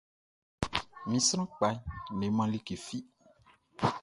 Mi sran kpa n leman like fi.